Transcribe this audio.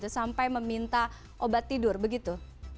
sampai meminta obat tidur begitu